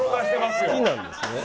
「好きなんですね？」。